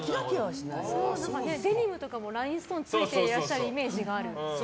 デニムとかもラインストーンついてらっしゃるイメージある。